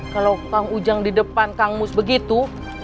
kalau kang ujang di depan kang mus begitu